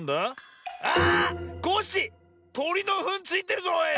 コッシーとりのふんついてるぞおい！